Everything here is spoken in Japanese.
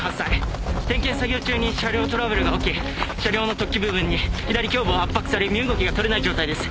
点検作業中に車両トラブルが起き車両の突起部分に左胸部を圧迫され身動きがとれない状態です。